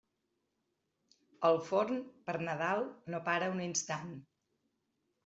El forn, per Nadal, no para un instant.